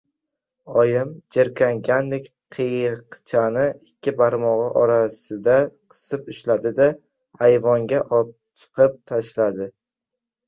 Oyim jirkangandek, qiyiqchani ikki barmog‘i orasida qisib ushladi-da, ayvonga opchiqib tashladi.